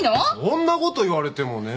そんなこと言われてもね。